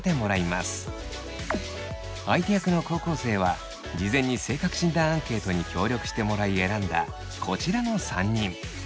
相手役の高校生は事前に性格診断アンケートに協力してもらい選んだこちらの３人。